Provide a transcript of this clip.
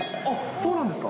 そうなんですか。